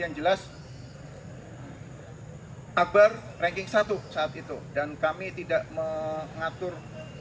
yang jelas akbar ranking satu saat itu dan kami tidak mengatur